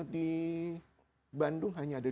di bandung hanya ada